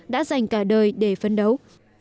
đã dành cả đời để phấn đấu